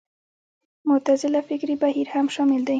معتزله فکري بهیر هم شامل دی